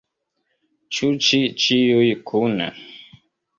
Ĉu ĉi ĉiuj kune?